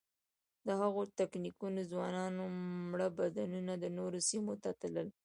د هغو تنکیو ځوانانو مړه بدنونه د نورو سیمو ته تللي.